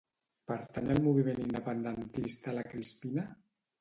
Pertany al moviment independentista la Crispina?